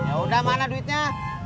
yaudah mana duitnya